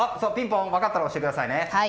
分かったら押してくださいね。